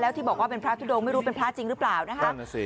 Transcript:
ที่บอกว่าเป็นพระทุดงไม่รู้เป็นพระจริงหรือเปล่านะคะ